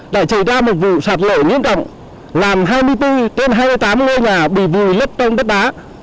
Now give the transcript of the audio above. đã trở ra một vụ sạt lỗ nghiêm trọng làm hai mươi bốn trên hai mươi tám ngôi nhà bị vùi lấp trong đất đá